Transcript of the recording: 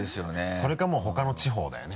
それかもう他の地方だよね。